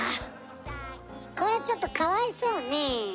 これちょっとかわいそうね。